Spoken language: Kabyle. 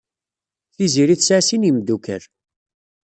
Tiziri tesɛa sin n yimeddukal.